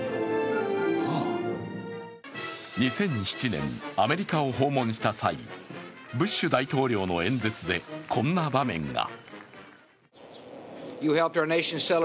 ２００７年、アメリカを訪問した際ブッシュ大統領の演説で、こんな場面が。